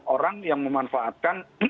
orang yang memanfaatkan